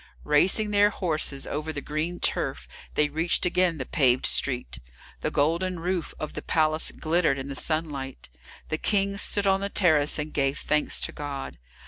Racing their horses over the green turf, they reached again the paved street. The golden roof of the palace glittered in the sunlight. The King stood on the terrace and gave thanks to God.